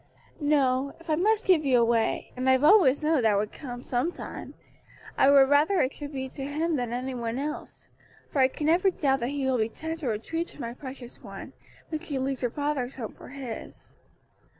"No, if I must give you away and I've always known that would come some time I would rather it should be to him than any one else, for I can never doubt that he will be tender and true to my precious one, when she leaves her father's home for his."